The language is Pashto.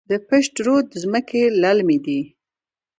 د پشت رود ځمکې للمي دي